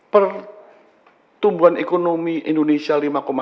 pertumbuhan ekonomi indonesia lima empat